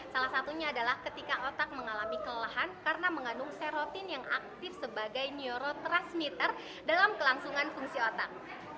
salah satunya adalah ketika otak mengalami kelelahan karena mengandung serotin yang aktif sebagai neurotransmitter dalam kelangsungan fungsi otak